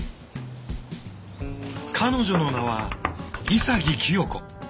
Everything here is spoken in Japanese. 彼女の名は潔清子。